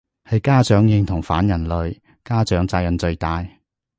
係家長認同反人類，家長責任最大